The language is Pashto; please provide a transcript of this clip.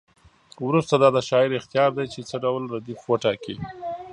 وروسته دا د شاعر اختیار دی چې څه ډول ردیف وټاکي.